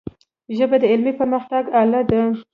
ژبه د علمي پرمختګ آله ده.